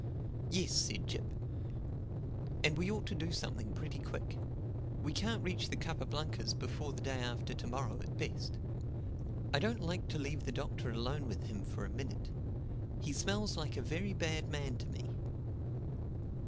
"Yes," said Jip, "and we ought to do something pretty quick. We can't reach the Capa Blancas before the day after to morrow at best. I don't like to leave the Doctor alone with him for a minute. He smells like a very bad man to me."